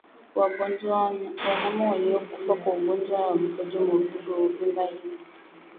Wanyama waliokufa kwa ugonjwa wa mkojo mwekundu huvimba ini